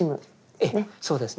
ええそうですね。